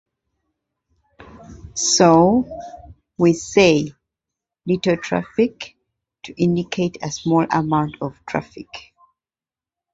So, we say "little traffic" to indicate a small amount of traffic.